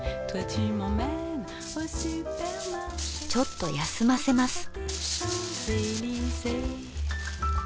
ちょっと休ませます。